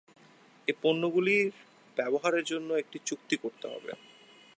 এই পণ্যগুলির ব্যবহারের জন্য একটি চুক্তি করতে হবে।